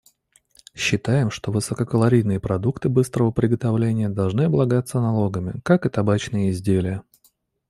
Считаем, что высококалорийные продукты быстрого приготовления должны облагаться налогами, как и табачные изделия.